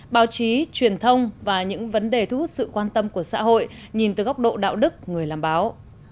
báo chí truyền thông và những vấn đề thu hút sự quan tâm của xã hội nhìn từ góc độ đạo đức người làm báo